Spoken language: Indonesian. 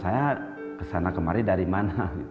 saya kesana kemari dari mana